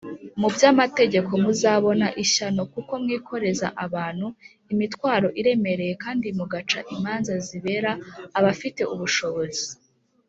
mu by; Amategeko muzabona ishyano kuko mwikoreza abantu imitwaro iremereye kdi mugaca imanza zibera abafite ubushobozi.